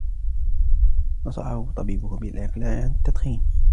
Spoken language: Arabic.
نصحه طبيبه بالإقلاع عن التدخين.